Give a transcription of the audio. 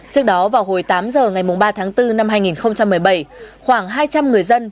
trước đó vào hồi tám giờ ngày ba tháng bốn năm hai nghìn một mươi bảy khoảng hai trăm linh người dân